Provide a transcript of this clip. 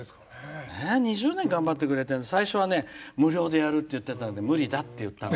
２０年頑張ってくれて最初は、無料でやるって言ってたから無理だって言ったの。